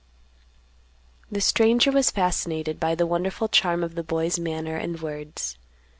The stranger was fascinated by the wonderful charm of the boy's manner and words.